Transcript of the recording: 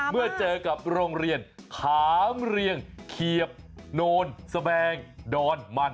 เมื่อเจอกับโรงเรียนขามเรียงเขียบโนนสแบงดอนมัน